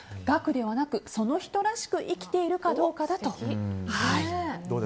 額ではなくその人らしく生きているかどうかだと。